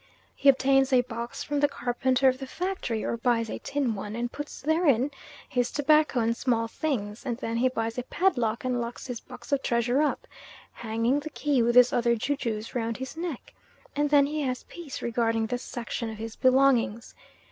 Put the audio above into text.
He obtains a box from the carpenter of the factory, or buys a tin one, and puts therein his tobacco and small things, and then he buys a padlock and locks his box of treasure up, hanging the key with his other ju jus round his neck, and then he has peace regarding this section of his belongings.